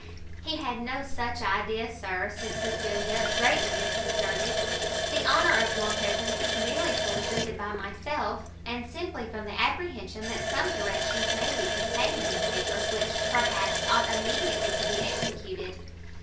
"He had no such idea, Sir," said Cecilia, greatly disconcerted; "the honour of your presence is merely solicited by myself, and simply from the apprehension that some directions may be contained in the papers which, perhaps, ought immediately to be executed."